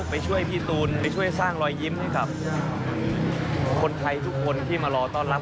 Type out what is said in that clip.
ไปช่วยพี่ตูนไปช่วยสร้างรอยยิ้มให้กับคนไทยทุกคนที่มารอต้อนรับ